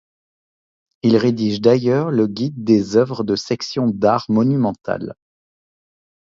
Il rédige d'ailleurs le guide des œuvres de section d'Art monumental.